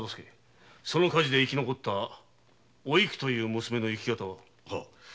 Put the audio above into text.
その火事で生き残った「おいく」という娘の行方は？